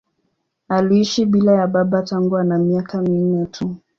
Aliishi bila ya baba tangu ana miaka minne tu.